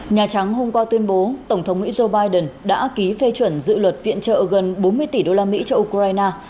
nhà trắng hôm qua tuyên bố tổng thống mỹ joe biden đã ký phê chuẩn dự luật viện trợ gần bốn mươi tỷ đô la mỹ cho ukraine